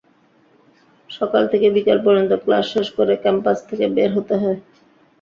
সকাল থেকে বিকেল পর্যন্ত ক্লাস শেষ করে ক্যাম্পাস থেকে বের হতে হয়।